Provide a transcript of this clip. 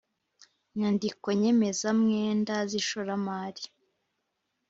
Nyandiko nyemezamwenda z ishoramari